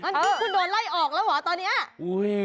คุณโดนไล่ออกแล้วหรอตอนนี้